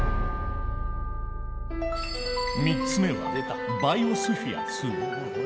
三つ目はバイオスフィア２。